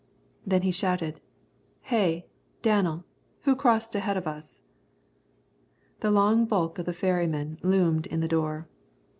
Then he shouted, "Hey, Danel, who crossed ahead of us?" The long bulk of the ferryman loomed in the door.